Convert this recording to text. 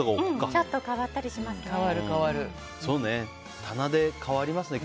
ちょっと変わったりしますね。